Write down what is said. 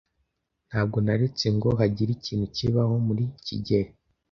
Ntabwo naretse ngo hagire ikintu kibaho kuri kigeli.